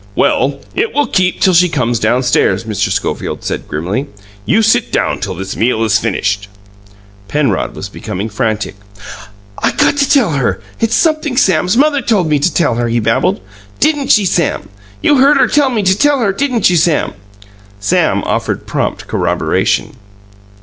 "Well, it will keep till she comes downstairs," Mr. Schofield said grimly. "You sit down till this meal is finished." Penrod was becoming frantic. "I got to tell her it's sumpthing Sam's mother told me to tell her," he babbled. "Didn't she, Sam? You heard her tell me to tell her; didn't you, Sam?" Sam offered prompt corroboration.